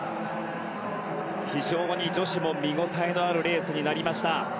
非常に女子も見ごたえのあるレースになりました。